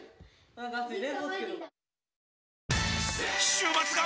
週末が！！